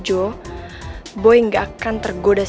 nyuruh cooperate sama ru'man di kanga es